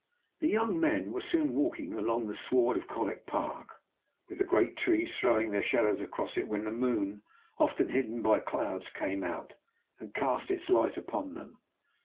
The young men were soon walking along the sward of Colwick Park, with the great trees throwing their shadows across it, when the moon, often hidden by clouds, came out, and cast its light upon them.